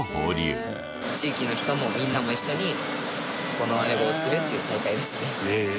地域の人もみんなも一緒にこのあめごを釣るっていう大会ですね。